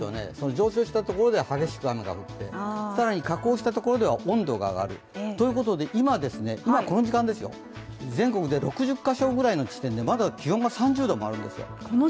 上昇したところで激しく雨が降って更に下降したところでは温度が上がるということで、今、この時間全国で６０か所くらいの地点でまだ気温が３０度もあるんですよ。